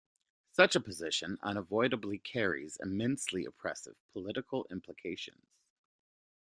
Such a position unavoidably carries immensely oppressive political implications.